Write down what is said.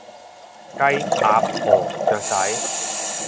雞，鴨，鵝，雀仔